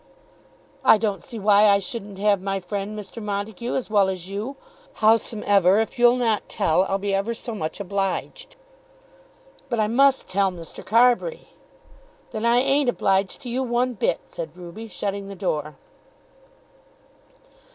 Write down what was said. "I don't see why I shouldn't have my friend, Mr. Montague, as well as you. Howsomever, if you'll not tell, I'll be ever so much obliged." "But I must tell Mr. Carbury." "Then I ain't obliged to you one bit," said Ruby, shutting the door.